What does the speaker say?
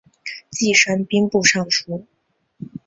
继升兵部尚书。